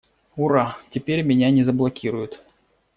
Ура! Теперь меня не заблокируют!